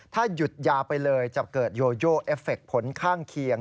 ถ้าหยุดยาไปเลยจะเกิดโยโยเอฟเฟคผลข้างเคียง